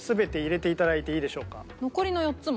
残りの４つも？